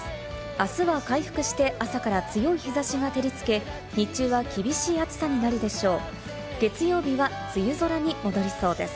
あすは回復して朝から強い日差しが照りつけ、日中は厳しい暑さになるでしょう。